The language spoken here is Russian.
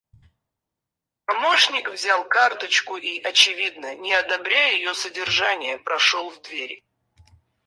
Помощник взял карточку и, очевидно, не одобряя ее содержание, прошел в дверь.